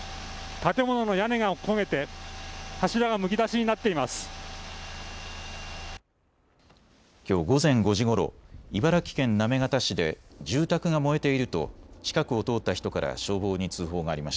建物の屋根が焦げて柱がむき出しになっています。